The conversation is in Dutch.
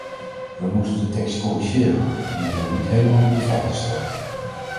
We moeten de tekst corrigeren, omdat hij niet helemaal met de feiten strookt.